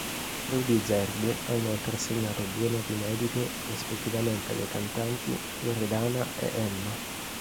Rudy Zerbi ha inoltre assegnato due nuovi inediti rispettivamente alle cantanti Loredana e Emma.